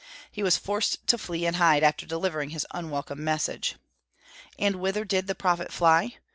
He was forced to flee and hide after delivering his unwelcome message. And whither did the prophet fly?